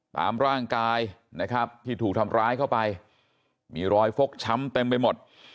ตามร่างกายนะครับที่ถูกทำร้ายเข้าไปมีรอยฟกช้ำเต็มไปหมด